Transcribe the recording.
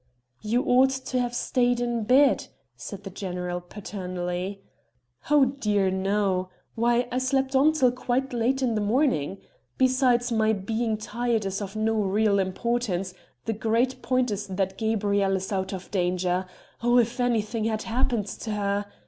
"You ought to have stayed in bed," said the general paternally. "Oh dear no! why I slept on till quite late in the morning. Besides, my being tired is of no real importance; the great point is that Gabrielle is out of danger: Oh, if anything had happened to her!..."